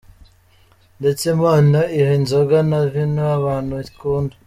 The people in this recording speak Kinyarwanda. Ndetse Imana iha inzoga na Vino abantu ikunda.